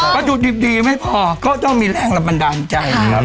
กระดูกดีไม่พอก็ต้องมีแรงรับบันดาลใจ